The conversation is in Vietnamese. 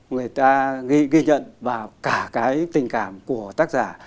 người ta ghi nhận vào cả cái tình cảm của tác giả